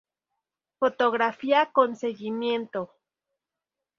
Fotografía con seguimiento.